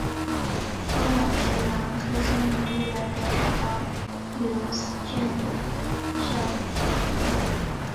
寺岛实郎出生于日本北海道雨龙郡沼田町。